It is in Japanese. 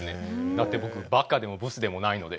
だって僕バカでもブスでもないので。